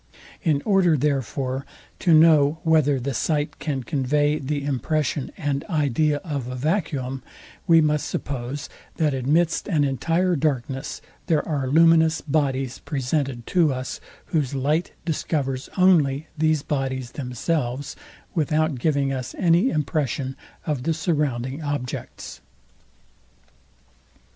In order, therefore, to know whether the sight can convey the impression and idea of a vacuum, we must suppose, that amidst an entire darkness, there are luminous bodies presented to us, whose light discovers only these bodies themselves, without giving us any impression of the surrounding objects.